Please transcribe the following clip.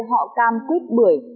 họ cam quýt bưởi